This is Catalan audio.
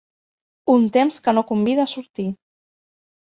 Un temps que no convida a sortir.